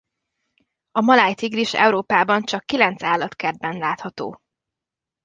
A maláj tigris Európában csak kilenc állatkertben látható.